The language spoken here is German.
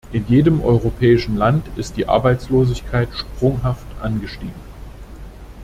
In jedem europäischen Land ist die Arbeitslosigkeit sprunghaft angestiegen.